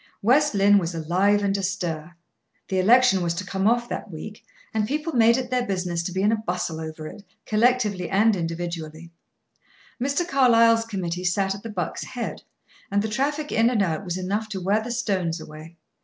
West Lynne was alive and astir. The election was to come off that week, and people made it their business to be in a bustle over it, collectively and individually. Mr. Carlyle's committee sat at the Buck's Head, and the traffic in and out was enough to wear the stones away.